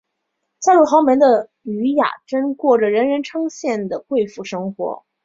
嫁入豪门的禹雅珍过着人人称羡的贵妇生活。